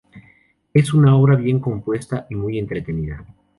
Es una obra bien compuesta y muy entretenida.